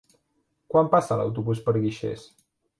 Quan passa l'autobús per Guixers?